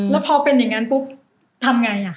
แล้วพอเป็นอย่างนั้นปุ๊บทำไง